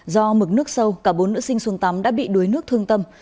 do mực nước sâu cả bốn nữ sinh xuống tắm đã bị đuối nước thương tâm